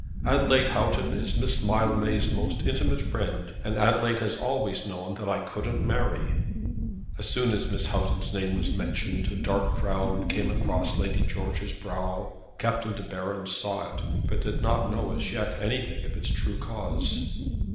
Adelaide Houghton is Miss Mildmay's most intimate friend, and Adelaide has always known that I couldn't marry." As soon as Mrs. Houghton's name was mentioned a dark frown came across Lady George's brow. Captain De Baron saw it, but did not as yet know anything of its true cause.